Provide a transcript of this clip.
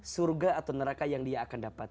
surga atau neraka yang dia akan dapat